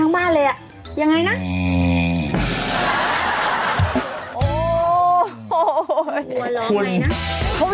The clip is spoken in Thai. อ๋อแล้วแม่มันล่ะ